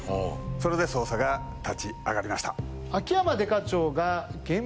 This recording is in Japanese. それで捜査が立ち上がりました。